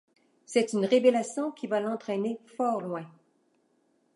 C'est une révélation qui va l'entraîner fort loin.